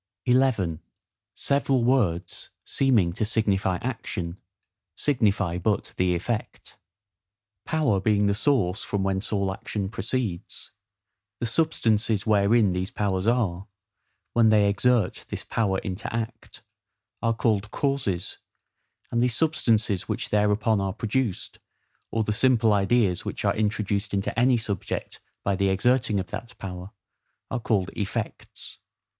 11. Several Words seeming to signify Action, signify but the effect. POWER being the source from whence all action proceeds, the substances wherein these powers are, when they *[lost line??] exert this power into act, are called CAUSES, and the substances which thereupon are produced, or the simple ideas which are introduced into any subject by the exerting of that power, are called EFFECTS.